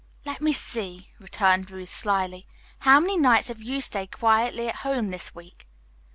"Let me see," returned Ruth slyly. "How many nights have you stayed quietly at home this week?"